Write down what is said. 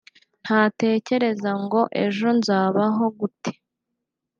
ntatekereza ngo ejo nzabaho gute